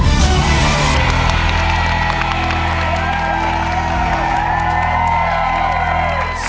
พูดถูกครับ